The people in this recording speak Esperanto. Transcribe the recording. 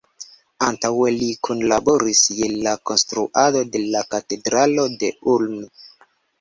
Antaŭe li kunlaboris je la konstruado de la katedralo de Ulm.